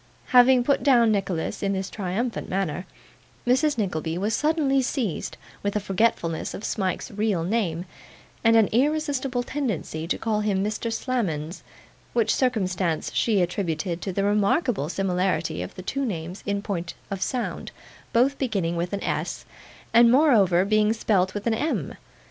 Having put down Nicholas in this triumphant manner, Mrs. Nickleby was suddenly seized with a forgetfulness of Smike's real name, and an irresistible tendency to call him Mr. Slammons; which circumstance she attributed to the remarkable similarity of the two names in point of sound both beginning with an S, and moreover being spelt with an M.